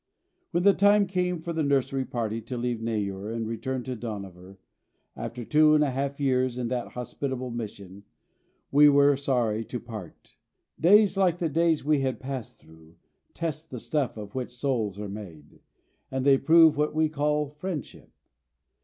When the time came for the nursery party to leave Neyoor and return to Dohnavur, after two and a half years in that hospitable mission, we were sorry to part. Days like the days we had passed through test the stuff of which souls are made, and they prove what we call friendship.